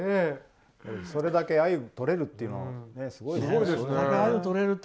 それだけアユがとれるというのはすごいですね。